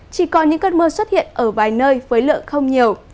chỉ còn những cơn mưa xuất hiện ở vài nơi với lượng không nhiều